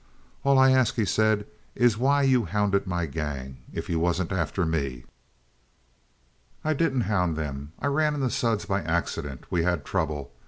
"All I ask," he said, "is why you hounded my gang, if you wasn't after me?" "I didn't hound them. I ran into Suds by accident. We had trouble.